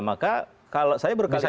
maka kalau saya berkali kali